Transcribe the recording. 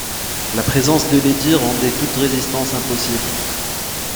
La présence de Lydie rendait toute résistance impossible.